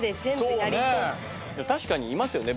確かにいますよね。